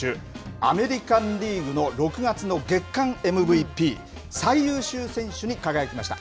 アメリカンリーグの６月の月間ＭＶＰ・最優秀選手に輝きました。